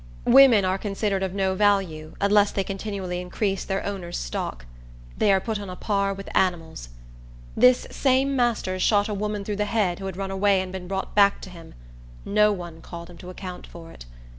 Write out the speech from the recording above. Women are considered of no value, unless they continually increase their owner's stock. They are put on a par with animals. This same master shot a woman through the head, who had run away and been brought back to him. No one called him to account for it.